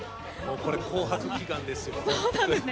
これ「紅白」祈願です。